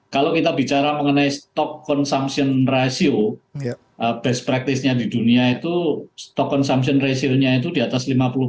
kalau kita bicara mengenai stock consumption ratio best practice nya di dunia itu stock consumption ratio nya itu di atas lima puluh